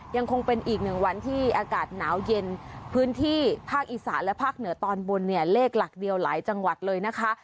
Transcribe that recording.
ยังคงเป็นอีกหนึ่งวันที่อากาศหนาวเย็นพื้นที่ภาคอีสานและภาคเหนือตอนบนเนี่ยเลขหลักเดียวหลายจังหวัดเลยนะคะ